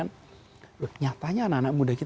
loh nyatanya anak anak muda itu bisa